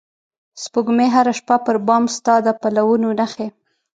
سپوږمۍ هره شپه پر بام ستا د پلونو نښې